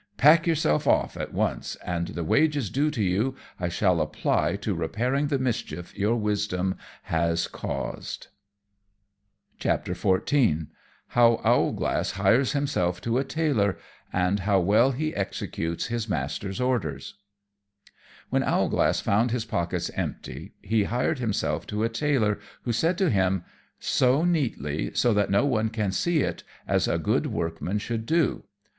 Pack yourself off at once, and the wages due to you I shall apply to repairing the mischief your wisdom has caused." [Illustration: Owlglass returns with the Boots.] XIV. How Owlglass hires himself to a Tailor; and how well he executes his Master's Orders. When Owlglass found his pockets empty, he hired himself to a Tailor, who said to him, "Sew neatly, so that no one can see it, as a good workman should do."